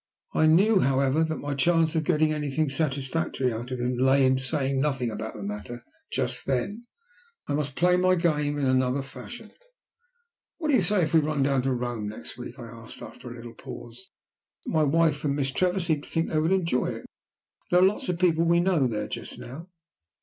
I knew, however, that my chance of getting anything satisfactory out of him lay in saying nothing about the matter just then. I must play my game in another fashion. "What do you say if we run down to Rome next week?" I asked, after a little pause. "My wife and Miss Trevor seem to think they would enjoy it. There are lots of people we know there just now."